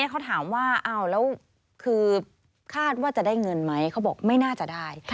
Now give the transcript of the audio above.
เขาถามว่าแล้วคือคาดว่าจะได้เงินไหมเขาบอกไม่น่าจะได้